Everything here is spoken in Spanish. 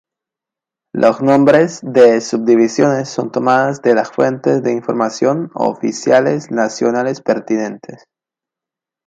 Los nombres de subdivisiones son tomadas de las fuentes de información oficiales nacionales pertinentes.